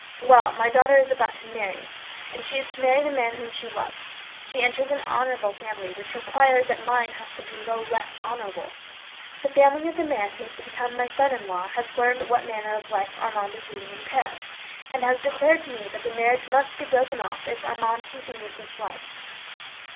Well, my daughter is about to marry. She is to marry the man whom she loves; she enters an honourable family, which requires that mine has to be no less honourable. The family of the man who is to become my son in law has learned what manner of life Armand is leading in Paris, and has declared to me that the marriage must be broken off if Armand continues this life.